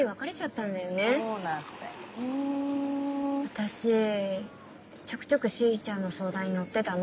私ちょくちょくしーちゃんの相談に乗ってたの。